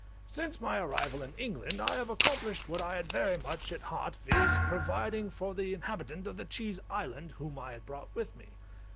Since my arrival in England I have accomplished what I had very much at heart, viz., providing for the inhabitant of the Cheese Island, whom I had brought with me.